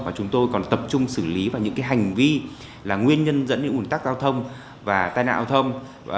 mà chúng tôi còn tập trung xử lý và những hành vi là nguyên nhân dẫn đến nguồn tác giao thông và tai nạn giao thông